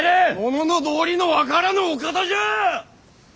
物の道理の分からぬお方じゃ！